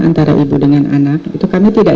antara ibu dengan anak itu karena tidak